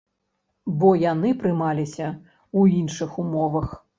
Бо яны прымаліся ў іншых умовах.